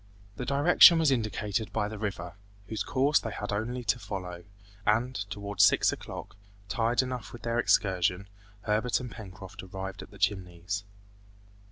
The direction was indicated by the river, whose course they had only to follow, and, towards six o'clock, tired enough with their excursion, Herbert and Pencroft arrived at the Chimneys.